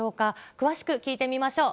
詳しく聞いてみましょう。